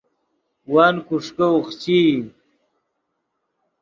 ون کوݰکے اوخچئی